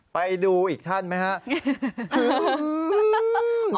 ไปดูอีกท่านไหมครับ